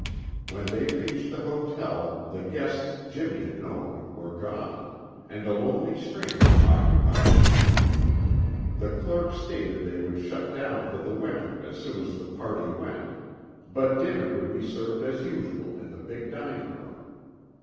When they reached the hotel the guests Jimmy had known were gone, and a lonely stranger occupied a room. The clerk stated they would shut down for the winter as soon as the party went, but dinner would be served as usual in the big dining room.